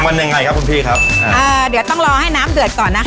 มันยังไงครับคุณพี่ครับอ่าเดี๋ยวต้องรอให้น้ำเดือดก่อนนะคะ